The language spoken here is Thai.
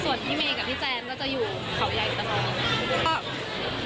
ส่วนพี่เมย์กับพี่แจนก็จะอยู่เขาใหญ่ตลอด